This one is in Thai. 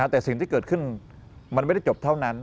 แต่สิ่งที่เกิดขึ้นมันไม่ได้จบเท่านั้น